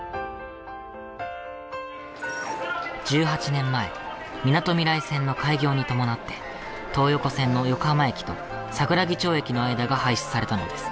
１８年前みなとみらい線の開業に伴って東横線の横浜駅と桜木町駅の間が廃止されたのです。